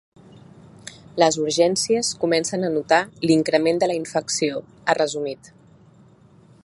Les urgències comencen a notar l’increment de la infecció, ha resumit.